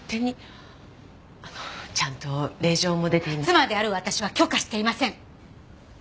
あのちゃんと令状も出て。妻である私は許可していません！